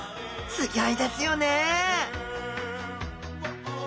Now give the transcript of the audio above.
すギョいですよね